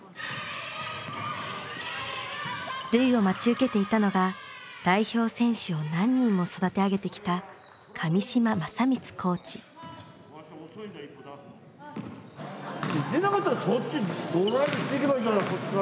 瑠唯を待ち受けていたのが代表選手を何人も育て上げてきたでなかったらそっちドライブしていけばいいじゃないか